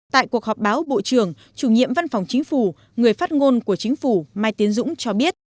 tại cuộc họp báo bộ trưởng chủ nhiệm văn phòng chính phủ người phát ngôn của chính phủ mai tiến dũng cho biết